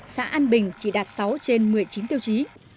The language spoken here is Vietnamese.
xã an bình chỉ đạt sáu trên một mươi chín tiêu chí